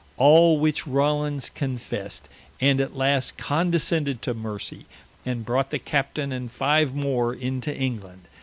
All which Rawlins confessed, and at last condescended to mercy, and brought the Captaine and five more into England.